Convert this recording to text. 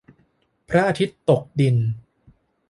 พระอาทิตย์ตกดิน